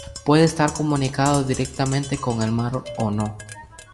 Puede estar comunicado directamente con el mar o no.